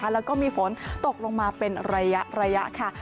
แล้วก็มีฝนตกลงมาเป็นระยะค่ะ